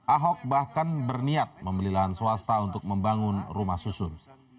ahok bahkan berniat membeli lahan swasta untuk membangun rumah susun